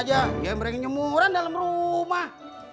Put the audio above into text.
jangan beringin jemuran dalam rumah